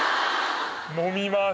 飲みます。